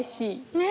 ねえ！